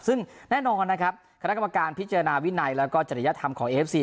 ซึ่งแน่นอนนะครับคณะกรรมการพิจารณาวินัยแล้วก็จริยธรรมของเอฟซี